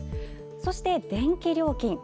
そして電気料金。